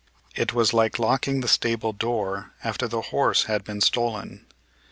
It was like locking the stable door after the horse had been stolen.